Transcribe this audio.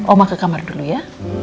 oma ke kamar dulu ya